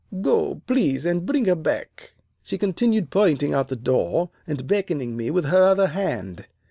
Go, please, and bring her back.' She continued pointing out of the door and beckoning me with her other hand.